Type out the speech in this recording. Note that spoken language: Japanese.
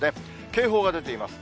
警報が出ています。